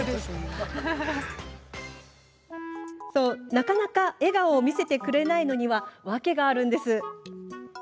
なかなか笑顔を見せてくれないのには訳があります。